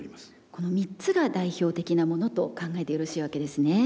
この３つが代表的なものと考えてよろしいわけですね。